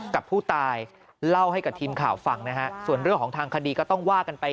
กับผู้ตายเล่าให้กับทีมข่าวฟังนะฮะส่วนเรื่องของทางคดีก็ต้องว่ากันไป